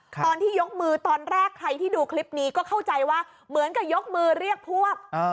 ตอนที่ยกมือตอนแรกใครที่ดูคลิปนี้ก็เข้าใจว่าเหมือนกับยกมือเรียกพวก